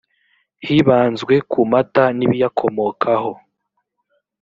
hibanzwe ku mata n ibiyakomokaho